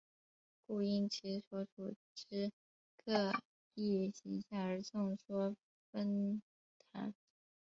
故因其所处之各异形象而众说纷纭。